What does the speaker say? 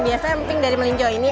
biasanya emping dari melinjo ini